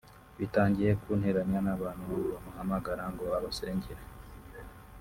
bitangiye kunteranya n’abantu bamuhamagara ngo abasengere